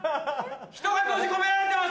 人が閉じ込められてます！